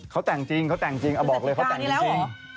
เขาแต่งจริงเขาแต่งจริงอะบอกเลยเขาแต่งจริงมันสจิกานี่แล้วเหรอ